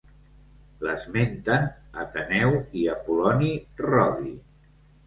L'esmenten Ateneu i Apol·loni Rodi.